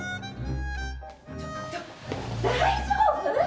ちょっと、大丈夫？